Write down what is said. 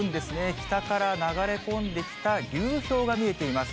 北から流れ込んできた流氷が見えています。